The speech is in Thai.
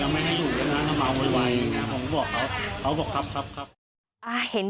ไม่เคย